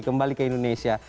kembali ke indonesia